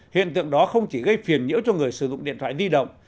hiện tượng đó không chỉ gây phiền nhiễu cho người sử dụng điện thoại di động